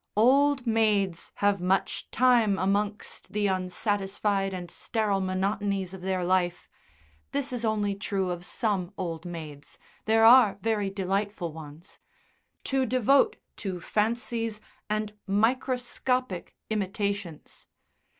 Old maids have much time amongst the unsatisfied and sterile monotonies of their life this is only true of some old maids; there are very delightful ones to devote to fancies and microscopic imitations.